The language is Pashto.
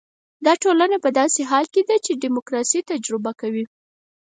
دا ټولنه په داسې حال کې ده چې ډیموکراسي تجربه کوي.